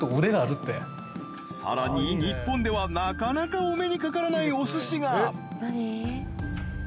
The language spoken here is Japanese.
［さらに日本ではなかなかお目にかからないおすしが］